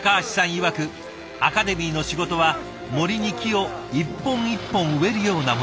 いわくアカデミーの仕事は森に木を一本一本植えるようなもの。